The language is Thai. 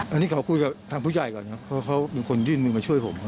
อันนี้ขอพูดถามผู้ใหญ่ก่อนนะเค้ามีคนยื่นมาช่วยผมค่ะ